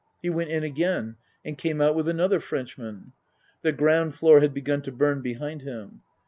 He went in again and came out with another Frenchman. (The ground floor had begun to burn behind him.)